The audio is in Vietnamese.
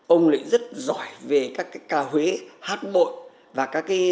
ông lại rất giỏi về các cái ca huế hát bội và các cái nhạc tây đấy